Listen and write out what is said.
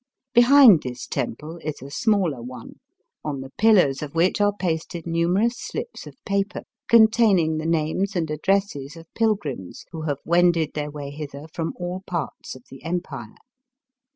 Behind this temple is a smaller one, on the pillars of which are pasted numerous slips of paper containing the names and addresses of pilgrims who have wended their way hither from all parts of the Empire.